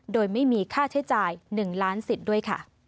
โดยไม่มีค่าใช้จ่าย๑ล้านสิทธิ์ด้วยค่ะ